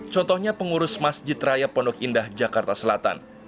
contohnya pengurus masjid raya pondok indah jakarta selatan